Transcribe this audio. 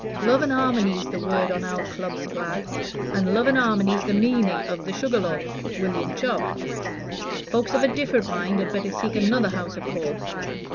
Love an' 'armony's the word on our Club's flag, an' love an' 'armony's the meaning of 'The Sugar Loaf, William Chubb.' Folks of a different mind had better seek another house of call."